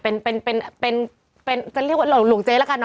เป็นเป็นจะเรียกว่าหลวงเจ๊แล้วกันเน